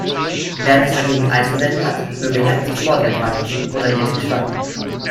Wer etwas dagegen einzuwenden hat, möge jetzt das Wort ergreifen oder ewig schweigen.